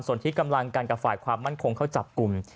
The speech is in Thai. ส่วนที่กำลังกันกับฝ่ายความมั่นคงเข้าจับกลุ่ม